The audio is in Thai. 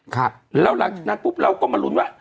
ครับแล้วหลังจากนั้นปุ๊บเราก็มาลุ้นว่า